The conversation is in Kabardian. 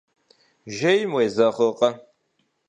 Жейм уезэгъыркъэ?